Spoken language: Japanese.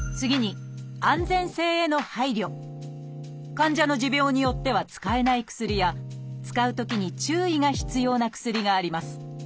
患者の持病によっては使えない薬や使うときに注意が必要な薬があります。